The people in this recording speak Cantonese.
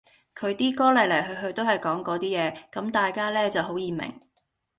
佢啲歌嚟嚟去去都係講嗰啲嘢，咁大家呢就好易明